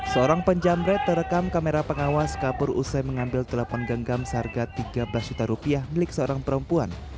seorang penjamret terekam kamera pengawas kabur usai mengambil telepon genggam seharga tiga belas juta rupiah milik seorang perempuan